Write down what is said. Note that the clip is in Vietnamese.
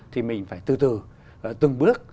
thì mình phải từ từ từng bước